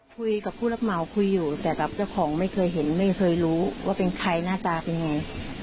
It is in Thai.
คุยกับผู้รับเหมาคุยอยู่แต่กับเจ้าของไม่เคยเห็นไม่เคยรู้ว่าเป็นใครหน้าตาเป็นยังไง